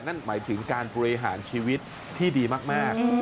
นั่นหมายถึงการบริหารชีวิตที่ดีมาก